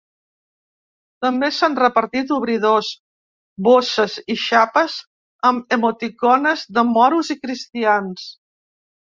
També s’han repartit obridors, bosses i xapes amb emoticones de moros i cristians.